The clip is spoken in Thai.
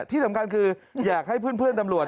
ที่สำคัญคืออยากให้เพื่อนตำรวจ